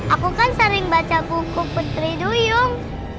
aku kan sering baca buku putri duyung